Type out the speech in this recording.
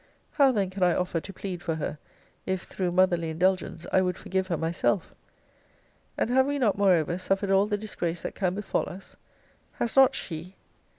How then can I offer to plead for her, if, through motherly indulgence, I would forgive her myself? And have we not moreover suffered all the disgrace that can befall us? Has not she?